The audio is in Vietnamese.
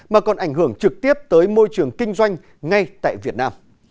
mà còn ảnh hưởng trực tiếp tới môi trường kinh doanh ngay tại việt nam